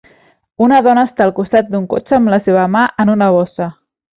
Una dona està al costat d'un cotxe amb la seva mà en una bossa.